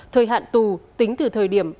thời hạn tù tính từ thời điểm